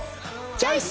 チョイス！